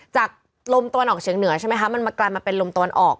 จากลมตะวันออกเฉียงเหนือใช่ไหมคะมันมากลายมาเป็นลมตะวันออก